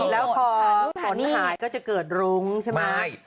แล้วก็พอศูนย์ที่หายก็จะเกิดรุ่งชัยไหม